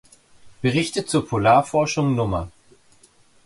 Berichte zur Polarforschung Nr.